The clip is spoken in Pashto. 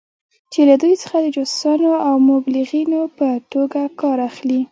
چې له دوی څخه د جاسوسانو او مبلغینو په توګه کار اخلي.